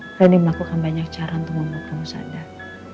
berani melakukan banyak cara untuk membuat kamu sadar